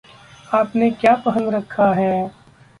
आपने क्या पहन रखा है?